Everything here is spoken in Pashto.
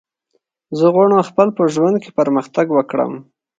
زه غواړم خپل په ژوند کی پرمختګ وکړم